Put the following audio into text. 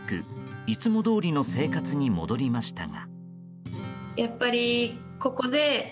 いつもどおりの生活に戻りましたが。